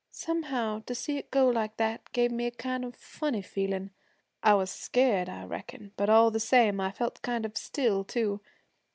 Somehow, to see it go like that gave me a kind of funny feelin'. I was scared, I reckon, but all the same I felt kind of still too.